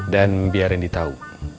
dan biar ren di tau